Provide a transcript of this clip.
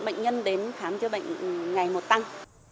bệnh nhân đến khám chữa bệnh ngày một tăng